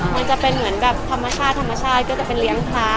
มันจะเป็นมาธรรมชาติก็จะเป็นเลี้ยงพระ